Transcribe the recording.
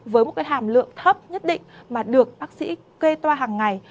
với một cái hàm lượng thấp nhất định mà được bác sĩ kê toa hàng ngày